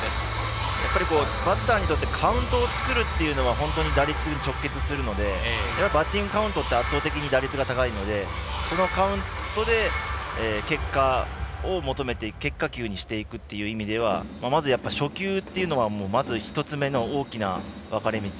バッターにとってカウントを作るというのは打率に直結するのでバッティングカウントは圧倒的に打率がいいのでその結果、結果を求めて結果球にしていくという意味ではまず初球というのは１つ目の大きな分かれ道。